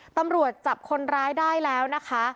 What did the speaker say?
ตำรวจจับคนร้ายได้แล้วนะคะ